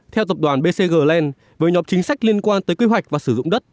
theo tập đoàn bcg land với nhóm chính sách liên quan tới quy hoạch và sử dụng đất